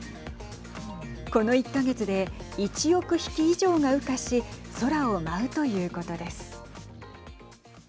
この１か月で１億匹以上が羽化し空を舞うということです。